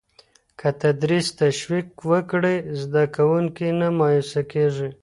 که تدریس تشویق وکړي، زده کوونکی نه مایوسه کېږي.